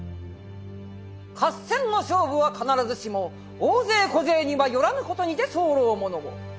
「合戦の勝負は必ずしも大勢小勢にはよらぬ事にて候ふものを。